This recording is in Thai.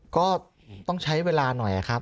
ก็ต้องใช้เวลาหน่อยครับ